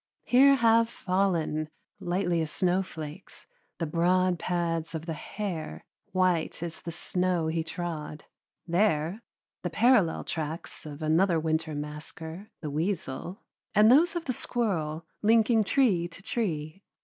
Here have fallen, lightly as snowflakes, the broad pads of the hare, white as the snow he trod; there, the parallel tracks of another winter masker, the weasel, and those of the squirrel, linking tree to tree.